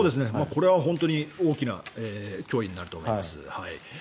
これは本当に大きな脅威になると思います。